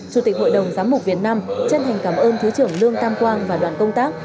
chủ tịch hội đồng giám mục việt nam chân thành cảm ơn thứ trưởng lương tam quang và đoàn công tác